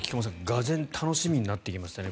がぜん楽しみになってきましたね